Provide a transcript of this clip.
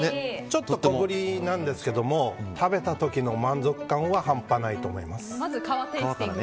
ちょっと小ぶりなんですけども食べた時の満足感は半端ないと思います。